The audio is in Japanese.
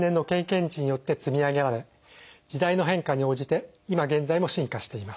知によって積み上げられ時代の変化に応じて今現在も進化しています。